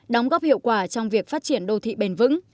đóng góp hiệu quả trong việc phát triển đô thị bền vững